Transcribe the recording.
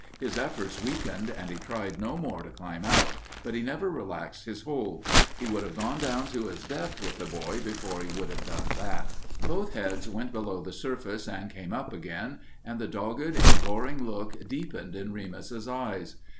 His efforts weakened and he tried no more to climb out, but he never relaxed his hold. He would have gone down to his death with the boy before he would have done that. Both heads went below the surface and came up again, and the dogged, imploring look deepened in Remus's eyes.